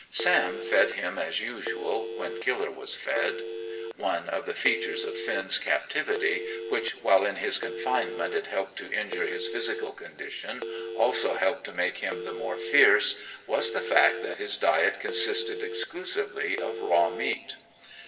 Sam fed him as usual, when Killer was fed. (One of the features of Finn's captivity, which, while in his confinement it helped to injure his physical condition, also helped to make him the more fierce, was the fact that his diet consisted exclusively of raw meat.)